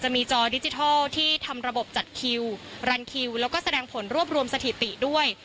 มีจอดิจิทัลที่ทำระบบจัดคิวรันคิวแล้วก็แสดงผลรวบรวมสถิติด้วย